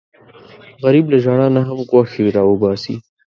غریب له ژړا نه هم خوښي راوباسي